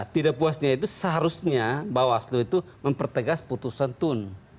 tidak puasnya itu seharusnya bawaslu itu mempertegas putusan tun